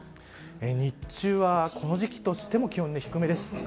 日中はこの時期としても気温が低めです。